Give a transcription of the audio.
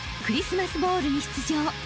クリスマスボウルに出場］